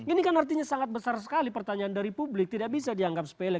ini kan artinya sangat besar sekali pertanyaan dari publik tidak bisa dianggap sepele